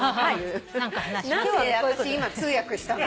何で私今通訳したの？